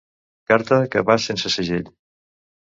Carta que va sense segell.